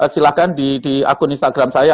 silahkan di akun instagram saya